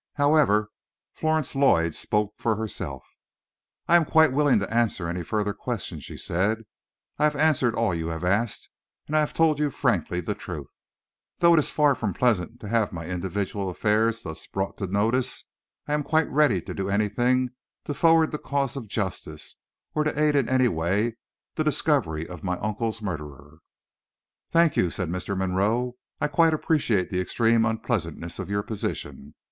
However, Florence Lloyd spoke for herself. "I am quite willing to answer any further questions," she said; "I have answered all you have asked, and I have told you frankly the truth. Though it is far from pleasant to have my individual affairs thus brought to notice, I am quite ready to do anything to forward the cause of justice or to aid in any way the discovery of my uncle's murderer." "Thank you," said Mr. Monroe; "I quite appreciate the extreme unpleasantness of your position.